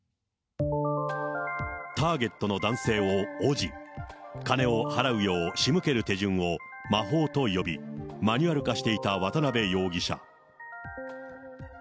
ターゲットの男性をおぢ、金を払うよう仕向ける手順を魔法と呼び、マニュアル化していた渡辺容疑者。